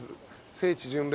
聖地巡礼？